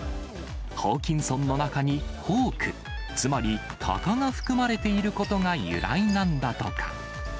ホーキンソンの中にホーク、つまりタカが含まれていることが由来なんだとか。